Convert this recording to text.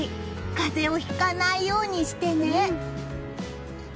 風邪をひかないようにしてね。